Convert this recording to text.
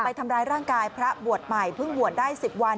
ไปทำร้ายร่างกายพระบทหมายพึ่งหววดได้๑๐วัน